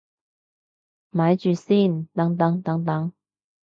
咪住先，等等等等